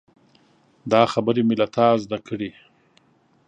دا خبرې مې له تا زده کړي.